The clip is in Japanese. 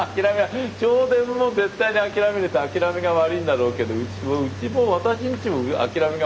銚電も絶対に諦めると諦めが悪いんだろうけどうちも私んちも諦めが悪いんで。